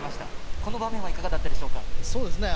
この場面はいかがだったでしょうか。